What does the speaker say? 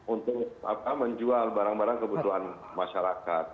untuk menjual barang barang kebutuhan masyarakat